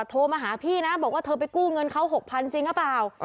โทรมาหาพี่นะบอกว่าเธอไปกู้เงินเขา๖๐๐จริงหรือเปล่า